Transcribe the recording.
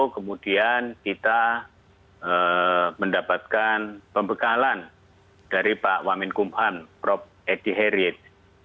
kemudian kita mendapatkan pembekalan dari pak wamin kumhan prof edy herit